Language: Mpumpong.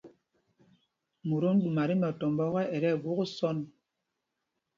Motom ɗuma tí mɛtɔmbɔ ɔkɛ, ɛ tí ɛgwok sɔ̂n.